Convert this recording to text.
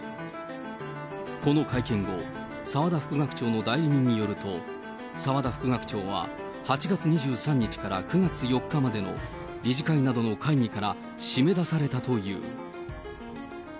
この会見後、澤田副学長の代理人によると、澤田副学長は８月２３日から９月４日までの理事会などの会議から締め出されたという。